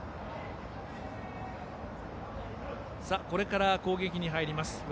これから攻撃に入ります